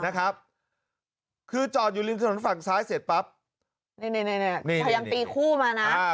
คือจอดอยู่ริมถนนฝั่งซ้ายเสร็จปั๊บนี่พยายามตีคู่มานะ